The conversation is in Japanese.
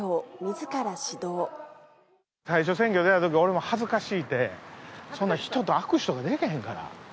最初、選挙出たとき、俺も恥ずかしいて、そんな人と握手とかできひんから。